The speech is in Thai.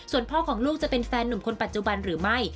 ส่วนพ่อของลูกจะเป็นแฟนหนุ่มคนปัจจุบันหรือไม่